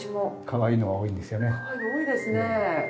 かわいいの多いですね。